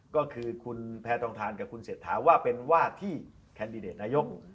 ก็คือคุณแพทองทานกับคุณเศรษฐาว่าเป็นว่าที่แคนดิเดตนายก